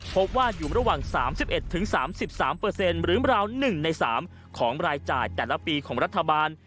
พบว่าอยู่ระหว่าง๓๑๓๓หรือราว๑ใน๓ของรายจ่ายแต่ละปีของรัฐบาล